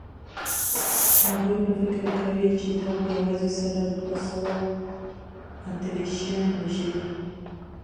هغوی به فکر کوي چې تا په یوازې سره دوه سوه اتریشیان وژلي.